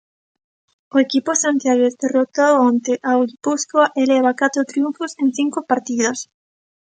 O equipo santiagués derrotou onte ao Guipúscoa e leva catro triunfos en cinco partidos.